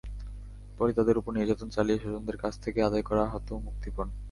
পরে তাঁদের ওপর নির্যাতন চালিয়ে স্বজনদের কাছ থেকে আদায় করা হতো মুক্তিপণ।